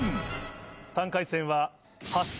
３回戦は。